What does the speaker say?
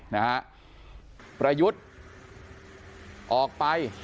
นะฮะประยุทธ์ออกไป